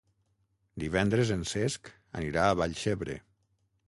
Divendres en Cesc anirà a Vallcebre.